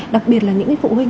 đặc biệt là những phụ huynh